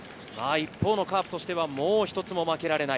一方のカープとしてはもう、一つも負けられない。